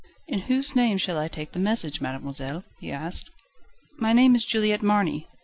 "In whose name shall I take the message, mademoiselle?" he asked. "My name is Juliette Marny."